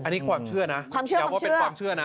อันนี้ความเชื่อนะแปลว่าเป็นความเชื่อนะ